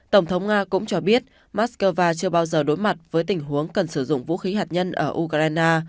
tổng thống nga cũng cho biết moscow chưa bao giờ đối mặt với tình huống cần sử dụng vũ khí hạt nhân ở ukraine